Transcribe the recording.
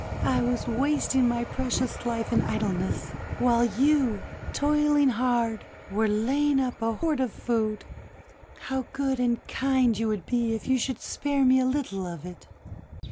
I was wasting my precious life in idleness, while you, toiling hard, were laying up a hoard of food. How good and kind you would be if you should spare me a little of it!"